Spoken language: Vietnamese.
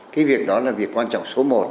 cái việc đó là việc quan trọng số một